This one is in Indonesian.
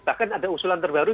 bahkan ada usulan terbaru